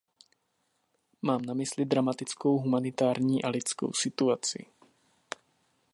Mám na mysli dramatickou humanitární a lidskou situaci.